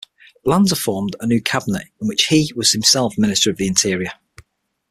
Lanza formed a new cabinet in which he was himself minister of the interior.